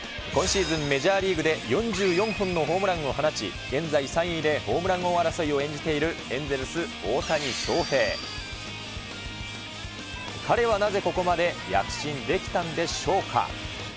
今シーズン、メジャーリーグで４４本のホームランを放ち、現在３位でホームラン王争いを演じているエンゼルス、大谷翔平。彼はなぜここまで躍進できたんでしょうか。